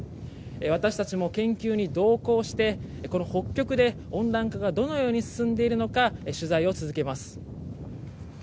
私たちも研究に同行してこの北極で温暖化がどのように進んでいるのか取材を続けます。